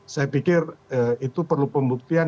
saya pikir itu perlu pembuktian